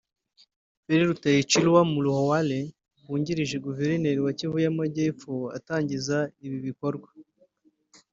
Feller Lutayichirwa Mulwahale wungirije Guverineri ya Kivu y’Amajyaruguru atangiza ibi bikorwa